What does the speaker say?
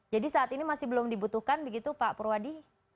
jadi saat ini masih belum dibutuhkan begitu pak purwadi